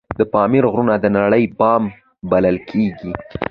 د پامیر غرونه د نړۍ بام بلل کیږي